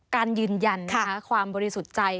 การยืนยันความบริสุทธิ์ใจ